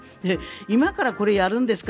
今からこれをやるんですか？